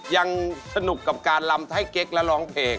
ยังสนุกกับการลำไทยเก๊กและร้องเพลง